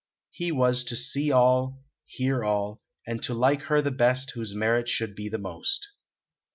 He was to see all, hear all, and to like her the best whose merit should be the most.